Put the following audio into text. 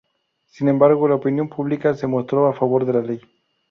Sin embargo, la opinión pública se mostró a favor de la ley.